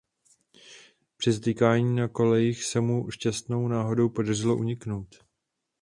Při zatýkání na kolejích se mu šťastnou náhodou podařilo uniknout.